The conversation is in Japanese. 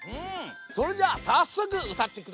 それじゃあさっそくうたってください！